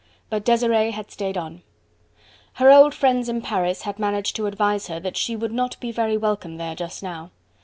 But Desiree had stayed on. Her old friends in Paris had managed to advise her that she would not be very welcome there just now.